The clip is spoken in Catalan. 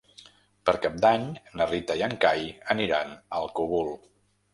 Per Cap d'Any na Rita i en Cai aniran al Cogul.